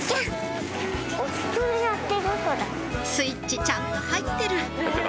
スイッチちゃんと入ってる！